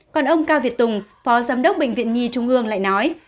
còn ông cao việt tùng phó giám đốc bệnh viện nhi trung ương lại nói